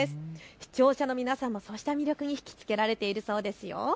視聴者の皆さん、こうした魅力にひきつけられているそうですよ。